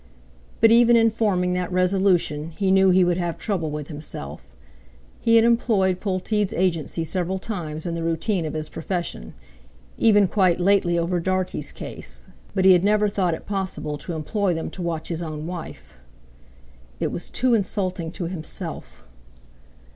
But even in forming that resolution he knew he would have trouble with himself. He had employed Polteed's agency several times in the routine of his profession, even quite lately over Dartie's case, but he had never thought it possible to employ them to watch his own wife. It was too insulting to himself!